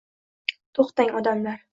To’xtang, odamlar!